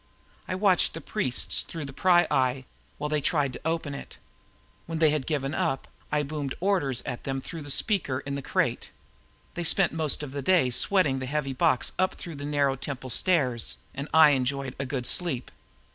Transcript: I watched the priests through the pryeye while they tried to open it. When they had given up, I boomed orders at them through a speaker in the crate. They spent most of the day sweating the heavy box up through the narrow temple stairs and I enjoyed a good sleep.